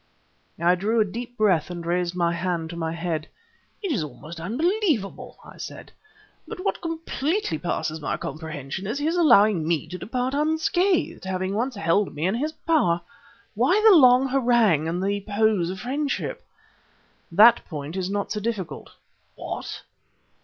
I drew a deep breath and raised my hand to my head. "It is almost unbelievable," I said. "But what completely passes my comprehension is his allowing me to depart unscathed, having once held me in his power. Why the long harangue and the pose of friendship? "That point is not so difficult." "What!"